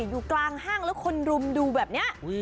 อยู่กลางห้างแล้วคนรุมดูแบบนี้